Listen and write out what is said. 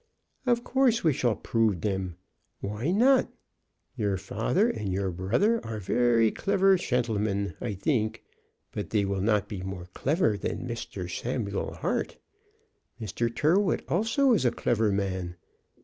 "Of course we shall prove dem. Why not? Your father and your brother are very clever shentlemen, I think, but they will not be more clever than Mishter Samuel Hart. Mr. Tyrrwhit also is a clever man.